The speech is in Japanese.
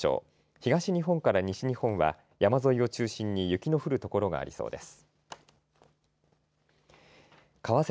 東日本から西日本は山沿いを中心に雪の降る所がありそうです。